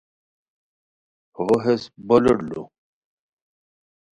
ہو ہیس بولوٹ لو